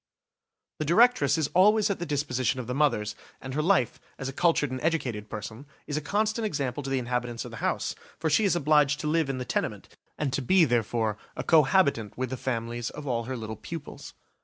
The directress is always at the disposition of the mothers, and her life, as a cultured and educated person, is a constant example to the inhabitants of the house, for she is obliged to live in the tenement and to be therefore a co habitant with the families of all her little pupils.